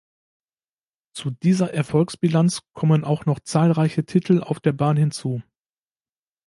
Zu dieser Erfolgsbilanz kommen auch noch zahlreiche Titel auf der Bahn hinzu.